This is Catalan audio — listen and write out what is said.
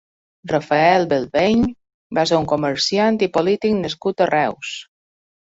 Rafael Bellveny va ser un comerciant i polític nascut a Reus.